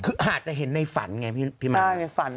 คืออาจจะเห็นในฝันไงพี่ม้าในฝัน